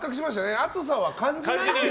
熱さは感じないという。